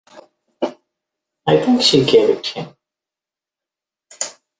I think she gave it him.